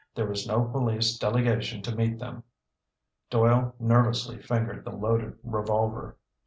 There was no police delegation to meet them. Doyle nervously fingered the loaded revolver.